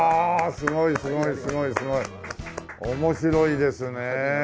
すごいすごいすごいすごい面白いですね。